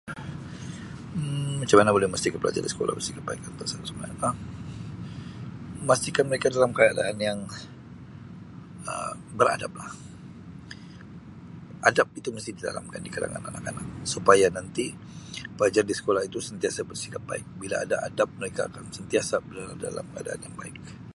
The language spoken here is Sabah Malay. [Um]macam mana boleh memastikan [unintelligible] memastikan mereka dalam keadaan yang Um beradab lah, adab itu mesti ditanamkan di kalangan anak-anak supaya nanti pelajar di sekolah itu sentiasa bersikap baik. Bila ada adab mereka akan sentiasa [unintelligible] dalam keadaan yang baik.